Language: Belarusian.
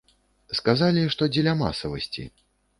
Сказалі, што дзеля масавасці.